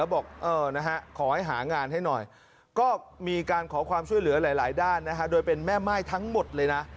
บอกนะฮะขอให้หางานให้หน่อยก็มีการขอความช่วยเหลือหลายด้านโดยเป็นแม่ม่ายทั้งหมดเลยนะ